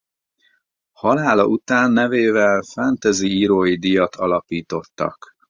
Halála után nevével fantasy írói díjat alapítottak.